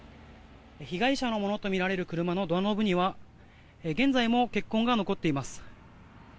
被害者のものとみられる車のドアノブには現在も血痕が残っています。